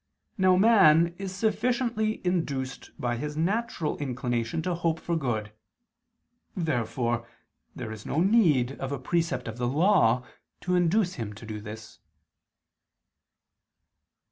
Now man is sufficiently induced by his natural inclination to hope for good. Therefore there is no need of a precept of the Law to induce him to do this.